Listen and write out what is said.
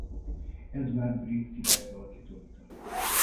Eduárd brit királyt alakította.